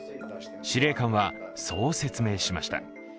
司令官は、そう説明しました。